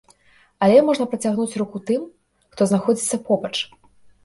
Але можна працягнуць руку тым, хто знаходзіцца побач.